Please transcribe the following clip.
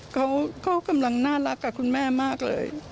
เขากำลังน่ารักกับคุณแม่มากเลย